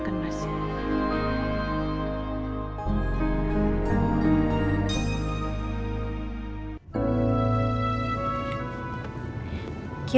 agar dia balik intermediate